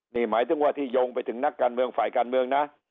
นี่หมายถึงว่าที่โยงไปถึงนักการเมืองฝ่ายการเมืองนะ